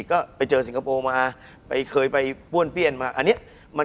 คุณผู้ชมบางท่าอาจจะไม่เข้าใจที่พิเตียร์สาร